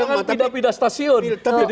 jangan pindah pindah stasiun